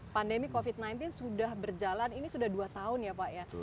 pandemi covid sembilan belas sudah berjalan ini sudah dua tahun ya pak ya